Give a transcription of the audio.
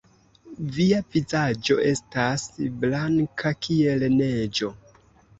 Via vizaĝo estas blanka kiel neĝo!